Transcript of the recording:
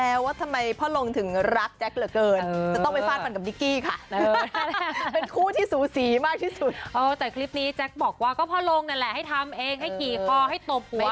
เอาก็ด้วย